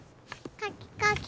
かきかき。